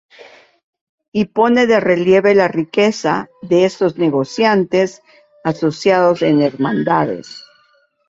Y pone de relieve la riqueza de estos "negociantes" asociados en hermandades.